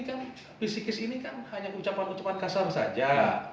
melangsung di hukum ini kan psikis ini kan hanya ucapan ucapan kasar saja